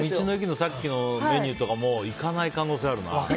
道の駅のさっきのとかもいかない可能性あるな。